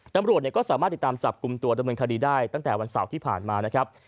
ตำรวจก็สามารถติดตามจับกลุ่มตัวดำเนินคดีได้ตั้งแต่วันเสาร์ที่ผ่านมานะครับ